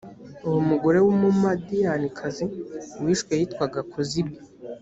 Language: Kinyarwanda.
uwo mugore w’umumadiyanikazi wishwe yitwaga kozibi.